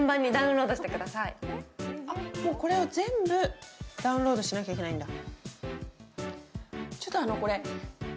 全部ダウンロードしなきゃいけないんだ。